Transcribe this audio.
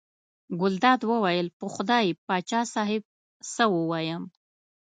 ګلداد وویل: په خدای پاچا صاحب څه ووایم.